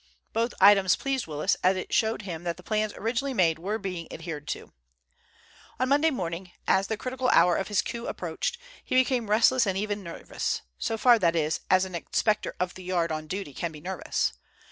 Both items pleased Willis, as it showed him that the plans originally made were being adhered to. On Monday morning, as the critical hour of his coup approached, he became restless and even nervous—so far, that is, as an inspector of the Yard on duty can be nervous.